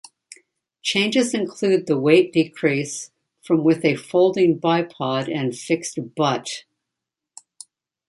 Changes include the weight decrease from with a folding bipod and fixed butt.